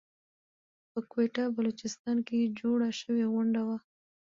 په کويټه بلوچستان کې جوړه شوى غونډه وه .